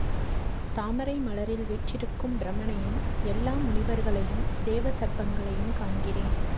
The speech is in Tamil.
தாமரை மலரில் வீற்றிருக்கும் பிரமனையும் எல்லா முனிவர்களையும் தேவ சர்ப்பங்களையும் காண்கிறேன்.